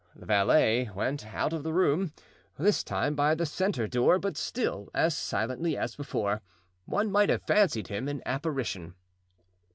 The valet went out of the room, this time by the centre door, but still as silently as before; one might have fancied him an apparition.